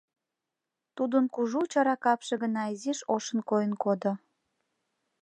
Тудын кужу чара капше гына изиш ошын койын кодо.